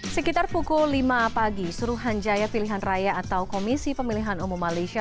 sekitar pukul lima pagi suruhanjaya pilihan raya atau komisi pemilihan umum malaysia